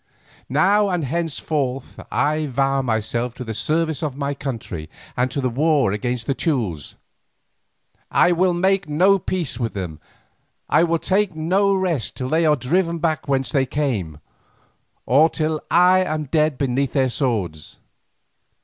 Now and henceforth I vow myself to the service of my country and to war against the Teules. I will make no peace with them, I will take no rest till they are driven back whence they came, or till I am dead beneath their swords.